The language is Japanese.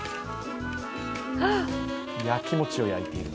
やきもちを焼いている。